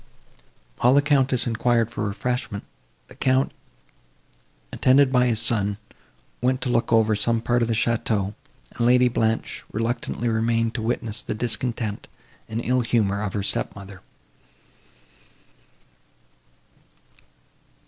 While the Countess enquired for refreshment, the Count, attended by his son, went to look over some part of the château, and Lady Blanche reluctantly remained to witness the discontent and ill humour of her step mother.